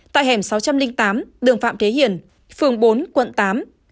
tại hẻm sáu trăm linh tám đường phạm thế hiển phường bốn quận tám